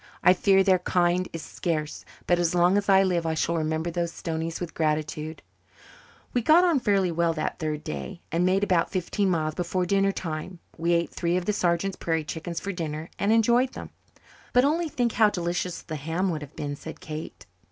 I fear their kind is scarce, but as long as I live I shall remember those Stoneys with gratitude. We got on fairly well that third day, and made about fifteen miles before dinner time. We ate three of the sergeant's prairie chickens for dinner, and enjoyed them. "But only think how delicious the ham would have been," said Kate.